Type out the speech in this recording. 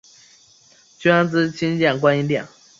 捐资新建观音殿。